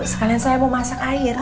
sekalian saya mau masak air